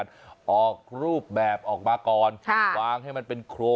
รู้จัก